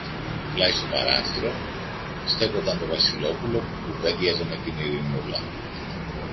Πλάι στο παράθυρο στέκονταν το Βασιλόπουλο που κουβέντιαζε με την Ειρηνούλα